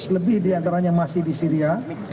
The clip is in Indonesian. lima ratus lebih di antaranya masih di syria